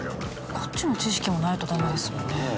こっちの知識もないとダメですもんね。